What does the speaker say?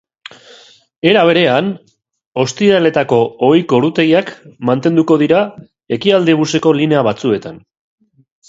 Era berean, ostiraletako ohiko ordutegiak mantenduko dira ekialdebuseko linea batzuetan.